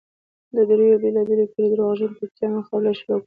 د دريو بېلابېلو کليو درواغجنو ټوکیانو مقابله شروع کړه.